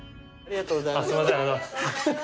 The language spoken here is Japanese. ありがとうございます。